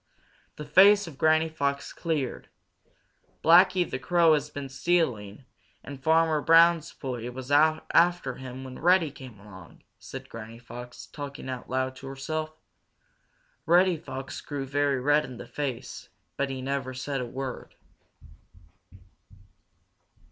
The face of Granny Fox cleared. "Blacky the Crow has been stealing, and Farmer Brown's boy was out after him when Reddy came along," said Granny Fox, talking out loud to herself. Reddy Fox grew very red in the face, but he never said a word.